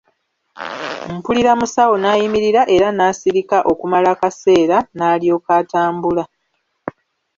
Mpulira musawo n'ayimirira era n'asirika okumala akaseera, n'alyoka atambula.